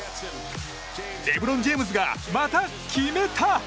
レブロン・ジェームズがまた決めた。